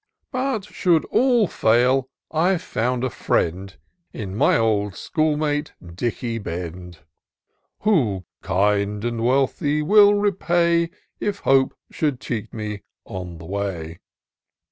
But should all fail, I've found a friend In my old school mate, Dicky Bend ; IN SEARCH OF THE PICTURESQUE. 91 Who, kind and wealthy, will repay, If Hope should cheat me on the way.